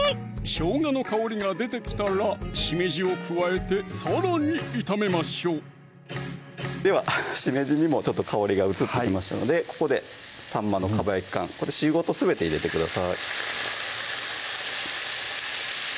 しょうがの香りが出てきたらしめじを加えてさらに炒めましょうではしめじにも香りが移ってきましたのでここでさんまの蒲焼き缶汁ごとすべて入れてください